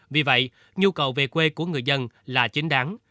vì vậy nhu cầu về quê của người dân là chính đáng